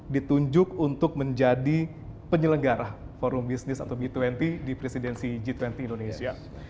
ditunjuk untuk menjadi penyelenggara forum bisnis atau b dua puluh di presidensi g dua puluh indonesia